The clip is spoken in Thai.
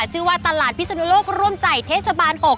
ชื่อว่าตลาดพิศนุโลกร่วมใจเทศบาล๖